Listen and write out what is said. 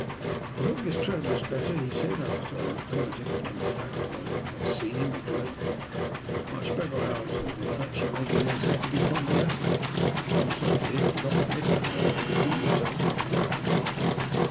"I hope Miss Trevor is better," he said, after I had commented upon the fact that I had not seen him of late. "Much better," I answered. "In fact, she may now be said to be convalescent. I was sorry to hear from Doctor Nikola, however, that you yourself are not quite the thing."